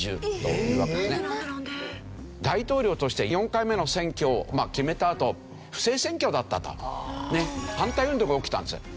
大統領として４回目の選挙を決めたあと不正選挙だったと反対運動が起きたんです。